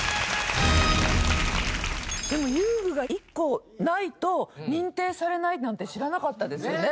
でも遊具が１個ないと認定されないなんて知らなかったですね。